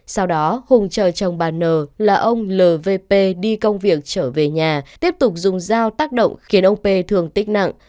sau đó hùng chờ chồng bà n là ông l v p đi công việc trở về nhà tiếp tục dùng dao tác động khiến ông p thường tích nặng